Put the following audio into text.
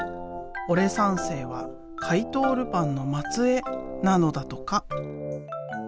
オレ三世は怪盗ルパンの末裔なのだとか。